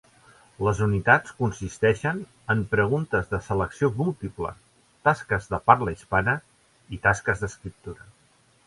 Les unitats consisteixen en preguntes de selecció múltiple, tasques de parla hispana, i tasques d’escriptura.